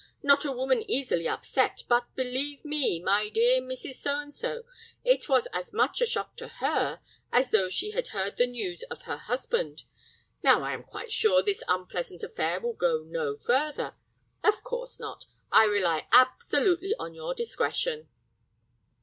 Not a woman easily upset, but, believe me, my dear Mrs. So and So, it was as much a shock to her as though she had heard bad news of her husband. Now, I am quite sure this unpleasant affair will go no further. Of course not. I rely absolutely on your discretion."